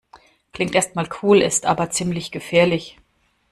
Klingt erst mal cool, ist aber ziemlich gefährlich.